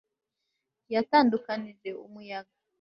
Yatandukanije umuyaga